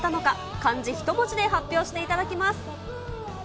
漢字一文字で発表していただきます。